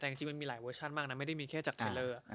แต่จริงมันมีหลายเวอร์ชันมากนะไม่ได้มีแค่จากเทลเลอร์